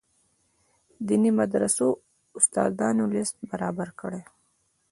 دیني مدرسو استادانو لست برابر کړي.